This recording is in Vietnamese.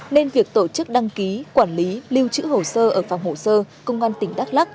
nên việc tổ chức đăng ký quản lý lưu trữ hồ sơ ở phòng hồ sơ công an tỉnh đắk lắc